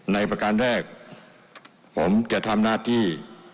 ประการแรกผมจะทำหน้าที่